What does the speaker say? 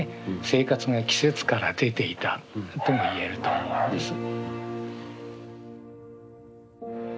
生活が季節から出ていたとも言えると思うんです。